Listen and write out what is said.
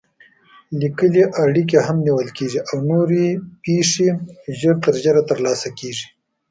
لیکلې اړیکې هم نیول کېږي او نوې پېښې ژر تر ژره ترلاسه کېږي.